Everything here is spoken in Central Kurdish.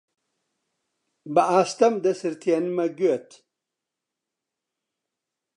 بە ئاستەم دەسرتێنمە گوێت: